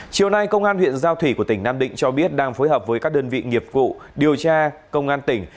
chiều nay công an huyện giao thủy của tỉnh nam định cho biết đang phối hợp với các đơn vị nghiệp vụ điều tra công an tỉnh